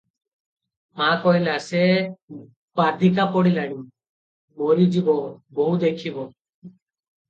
ମା କହିଲା, ସେ ବାଧିକା ପଡିଲାଣି, ମରିଯିବ- ବୋହୂ ଦେଖିବ ।